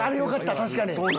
確かに。